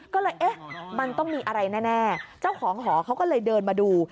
ก็เลยเอ๊ะมันต้องมีอะไรแน่เจ้าของหอเขาก็เลยเดินมาดู